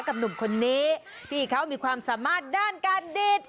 หนุ่มคนนี้ที่เขามีความสามารถด้านการดีด